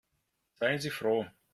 Seien Sie froh.